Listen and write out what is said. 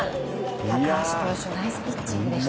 高橋投手ナイスピッチングでした。